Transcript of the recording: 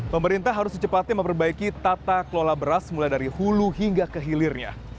pemerintah harus secepatnya memperbaiki tata kelola beras mulai dari hulu hingga ke hilirnya